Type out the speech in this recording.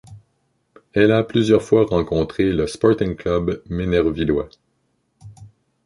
Elle a plusieurs fois rencontré le Sporting Club Ménervillois.